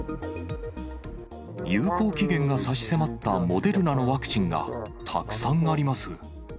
有効期限が差し迫ったモデルナのワクチンが、たくさんあります。